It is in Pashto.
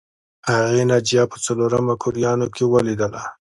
هغې ناجیه په څلورم مکروریانو کې ولیدله